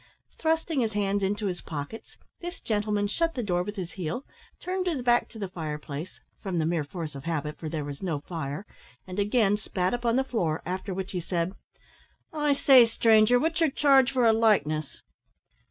Thrusting his hands into his pockets, this gentleman shut the door with his heel, turned his back to the fire place from the mere force of habit, for there was no fire and again spat upon the floor, after which he said: "I say, stranger, what's your charge for a likeness?"